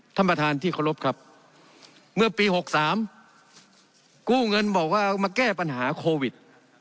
ท่านประธานที่เคารพครับเมื่อปี๖๓กู้เงินบอกว่ามาแก้ปัญหาโควิด